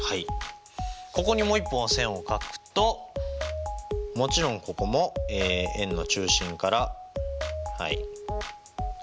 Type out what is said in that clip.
ここにもう一本線を描くともちろんここも円の中心からはい。